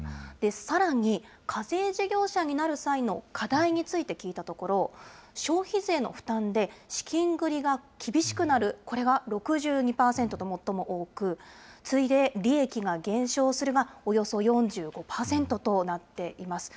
さらに、課税事業者になる際の課題について聞いたところ、消費税の負担で資金繰りが厳しくなる、これが６２％と最も多く、次いで利益が減少するがおよそ４５％となっています。